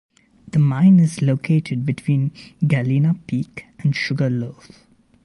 The mine is located between Galena Peak and Sugar Loaf.